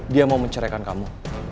dia mau menceraikan kamu